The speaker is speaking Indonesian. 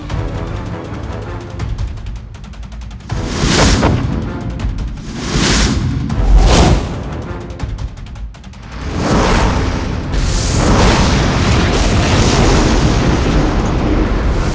kau akan memimpin kita